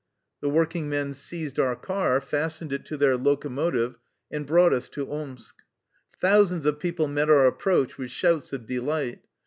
The workingmen seized our car, fastened it to their locomotive, and brought us to Omsk. Thousands of people met our approach with shouts of delight.